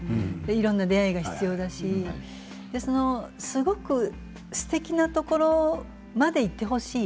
いろいろな出会いが必要だしそのすごくすてきなところまでいってほしい。